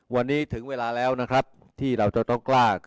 วันนี้ถึงเวลาแล้วนะครับที่เราจะต้องกล้า